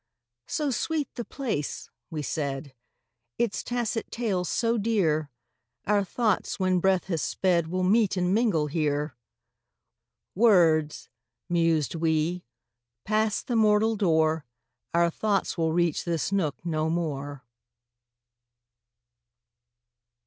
"So sweet the place," we said, "Its tacit tales so dear, Our thoughts, when breath has sped, Will meet and mingle here!" ... "Words!" mused we. "Passed the mortal door, Our thoughts will reach this nook no more."